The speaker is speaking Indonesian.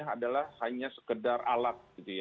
adalah hanya sekedar alat